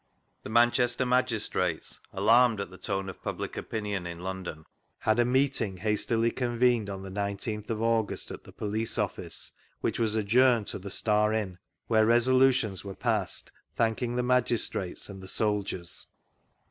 The Manchester magistrates, alarmed at the tone of public opinion in London, had a meeting hastily convened on the 19th of August at the Police Office, which was adjourned to the Star Inn, where resolutions were passed thanking the magistrates and the soldiers.